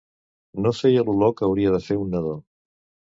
No feia l'olor que hauria de fer un nadó.